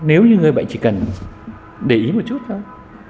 nếu như người bệnh chỉ cần để ý một chút thôi